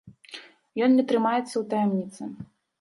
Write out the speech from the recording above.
Ён не трымаецца ў таямніцы.